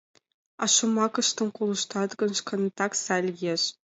А шомакыштым колыштат гын, шканетак сай лиеш...